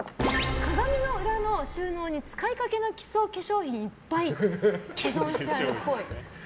鏡の裏の収納に使いかけの基礎化粧品がいっぱい保存してあるっぽい。